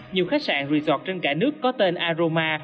nhiều khách sạn resort trên cả nước có tên aroma